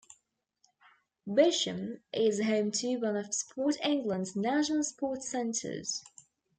Bisham is home to one of Sport England's National Sports Centres.